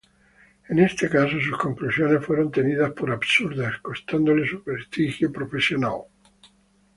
En este caso, sus conclusiones fueron tenidas por absurdas, costándole su prestigio profesional.